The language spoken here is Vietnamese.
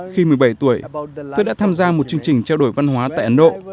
khi một mươi bảy tuổi tôi đã tham gia một chương trình trao đổi văn hóa tại ấn độ